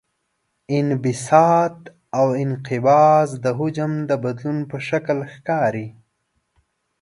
انبساط او انقباض د حجم د بدلون په شکل ښکاري.